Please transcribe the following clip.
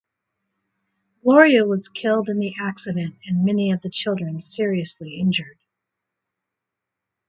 Gloria was killed in the accident and many of the children seriously injured.